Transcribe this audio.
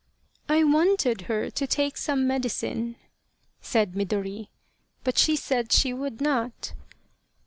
" I wanted her to take some medicine," said Midori, " but she said she would not."